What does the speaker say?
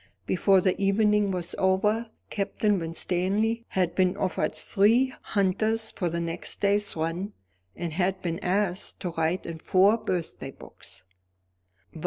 Before the evening was over, Captain Winstanley had been offered three hunters for the next day's run, and had been asked to write in four birthday books.